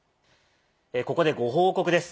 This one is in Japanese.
ここでご報告です。